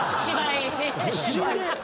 芝居。